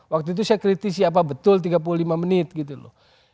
waktu itu saya kritisi apa betul tiga puluh lima menit gitu loh